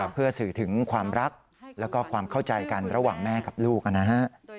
เพื่อสื่อถึงความรักแล้วก็ความเข้าใจกันระหว่างแม่กับลูกนะฮะ